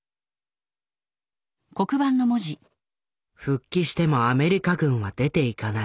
「復帰してもアメリカ軍は出ていかない」。